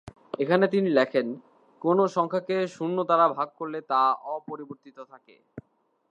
এখানে তিনি লিখেন: "কোন সংখ্যাকে শূন্য দ্বারা ভাগ করলে তা অপরিবর্তিত থাকে।"